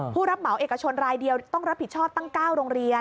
ผู้รับเหมาเอกชนรายเดียวต้องรับผิดชอบตั้ง๙โรงเรียน